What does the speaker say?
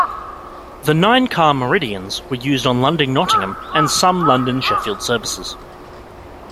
The nine-car "Meridians" were used on London-Nottingham and some London-Sheffield services.